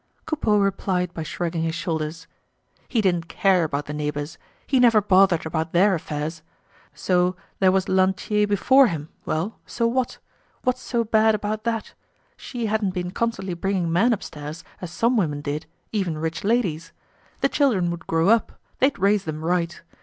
Coupeau replied by shrugging his shoulders. He didn't care about the neighbors! He never bothered about their affairs. So, there was Lantier before him, well, so what? What's so bad about that? She hadn't been constantly bringing men upstairs, as some women did, even rich ladies! The children would grow up, they'd raise them right.